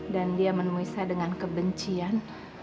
dan dia menemui saya dengan kebencian